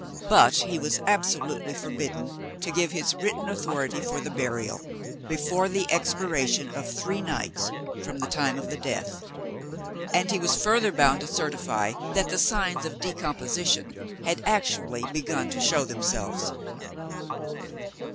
But he was absolutely forbidden to give his written authority for the burial, before the expiration of three nights from the time of the death; and he was further bound to certify that the signs of decomposition had actually begun to show themselves.